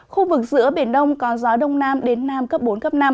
khu vực giữa biển đông có gió đông nam đến nam cấp bốn cấp năm